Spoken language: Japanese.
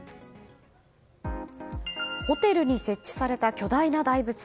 ホテルに設置された巨大な大仏。